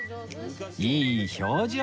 いい表情